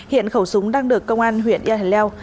hiện khẩu súng đang được công an huyện nha hình leo